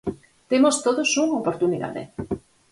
¡Temos todos unha oportunidade!